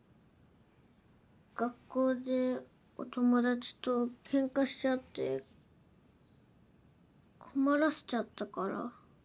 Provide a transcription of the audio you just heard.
学校でお友達と喧嘩しちゃって困らせちゃったから。